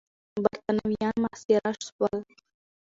برتانويان محاصره سول.